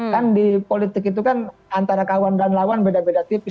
kan di politik itu kan antara kawan dan lawan beda beda tipis